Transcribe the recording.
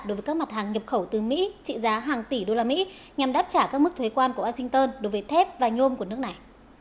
đối với các mặt hàng nhập khẩu từ mỹ trị giá hàng tỷ usd nhằm đáp trả các mức thuế quan của washington đối với thép và nhôm của nước này